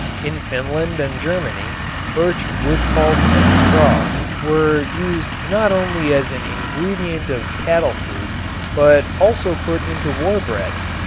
In Finland and Germany birch wood pulp and straw were used not only as an ingredient of cattle food but also put into war bread.